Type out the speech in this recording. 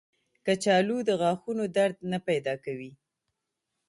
کچالو د غاښونو درد نه پیدا کوي